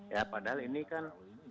ya padahal ini kan